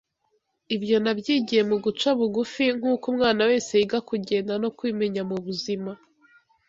Ibyo nabyigiye mu guca bugufi, nk’uko umwana wese yiga kugenda no kwimenya mu buzima.